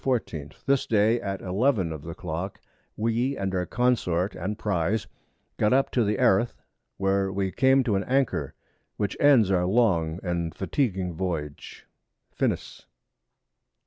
14._ This Day at 11 of the Clock, we and our Consort and Prize got up to Eriff [Erith], where we came to an Anchor, which ends our long and fatiguing Voyage. _FINIS.